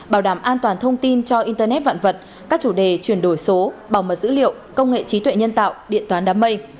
bảo đảm an toàn thông tin cho internet vạn vật các chủ đề chuyển đổi số bảo mật dữ liệu công nghệ trí tuệ nhân tạo điện toán đám mây